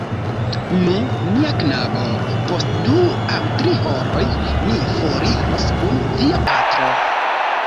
Nu, mia knabo, post du aŭ tri horoj mi foriros kun via patro...